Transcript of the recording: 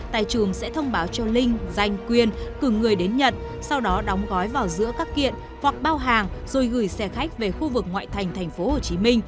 tài chùm sẽ thông báo cho linh danh quyên cử người đến nhật sau đó đóng gói vào giữa các kiện hoặc bao hàng rồi gửi xe khách về khu vực ngoại thành tp hcm